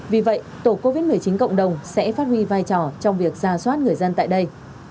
vì vậy tổ covid một mươi chín cộng đồng sẽ phát huy vai trò trong việc ra soát người dân tại đây